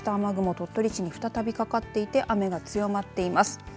鳥取市に再びかかっていて雨が再び強まっています。